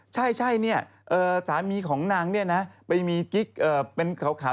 ใช่เนี่ยสามีของนางเนี่ยนะไปมีกิ๊กเป็นขาว